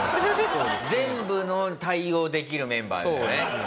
全部の対応できるメンバーだよね。